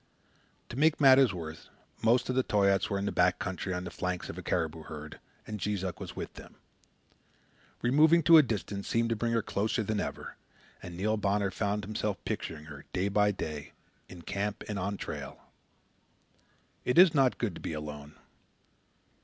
To make matters worse, most of the Toyaats were in the back country on the flanks of a caribou herd, and Jees Uck was with them. Removing to a distance seemed to bring her closer than ever, and Neil Bonner found himself picturing her, day by day, in camp and on trail. It is not good to be alone.